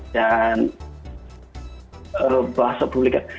dan bahasa publiknya